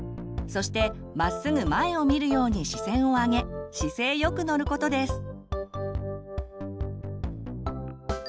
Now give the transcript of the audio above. そしてまっすぐ前を見るように視線を上げ姿勢よく乗ることです。